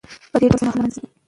په دې ډول اصلي مفهوم له منځه ځي.